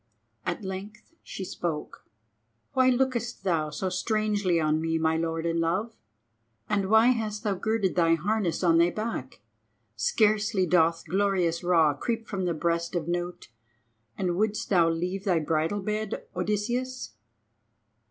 At length she spoke. "Why lookest thou so strangely on me, my Lord and Love; and why hast thou girded thy harness on thy back? Scarcely doth glorious Ra creep from the breast of Nout, and wouldest thou leave thy bridal bed, Odysseus?"